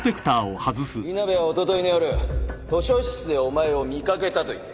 稲辺はおとといの夜図書室でお前を見掛けたと言ってる。